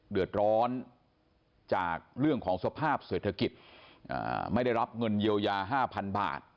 เดือดร้อนจากเรื่องของสภาพเศรษฐกิจไม่ได้รับเงินเยียวยา๕๐๐๐บาท